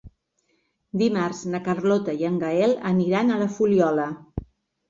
Dimarts na Carlota i en Gaël aniran a la Fuliola.